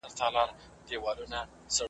ویل ځه مخته دي ښه سلا مُلاجانه .